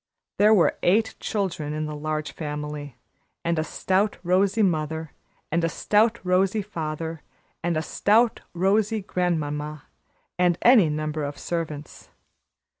There were eight children in the Large Family, and a stout, rosy mother, and a stout, rosy father, and a stout, rosy grand mamma, and any number of servants.